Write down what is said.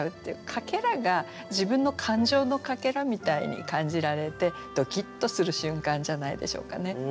かけらが自分の感情のかけらみたいに感じられてドキッとする瞬間じゃないでしょうかね。